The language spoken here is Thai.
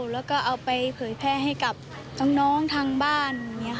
แล้วก็เอาไปเผยแพร่ให้กับน้องทางบ้าน